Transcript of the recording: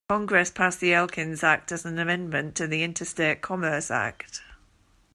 Congress passed the Elkins Act as an amendment to the Interstate Commerce Act.